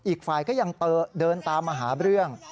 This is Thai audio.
อีกฝ่ายก็ยังเดินตามมาหาเรื่อง